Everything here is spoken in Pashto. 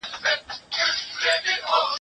زه پرون سپينکۍ مينځلې!!